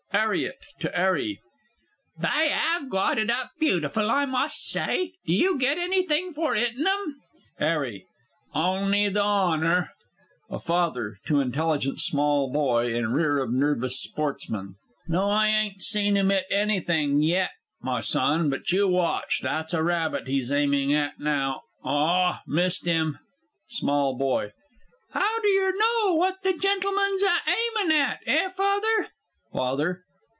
_ 'ARRIET (to 'ARRY). They 'ave got it up beautiful, I must say. Do you get anything for 'itting them? 'ARRY. On'y the honour. A FATHER (to intelligent SMALL BOY in rear of NERVOUS SPORTSMAN). No, I ain't seen him 'it anything yet, my son; but you watch. That's a rabbit he's aiming at now.... Ah, missed him! SMALL BOY. 'Ow d'yer know what the gentleman's a aiming at, eh, Father? FATHER.